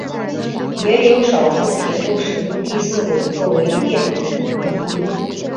也有少数铁路使用第四轨作为电流回路。